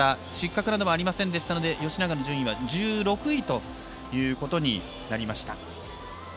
失格などはありませんでしたので吉永の順位は１６位ということになりました。